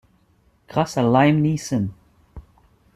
Grâce à Liam Neeson.